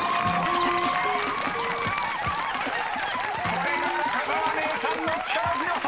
［これが中澤姉さんの力強さ！］